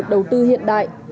được đầu tư hiện đại